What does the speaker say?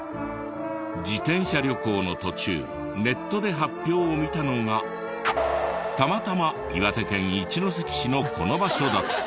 自転車旅行の途中ネットで発表を見たのがたまたま岩手県一関市のこの場所だった。